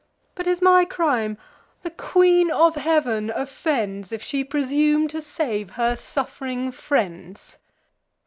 But is my crime—the Queen of Heav'n offends, If she presume to save her suff'ring friends!